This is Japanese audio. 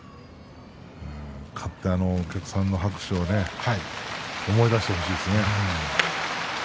勝って、お客さんの拍手を思い出してほしいですね。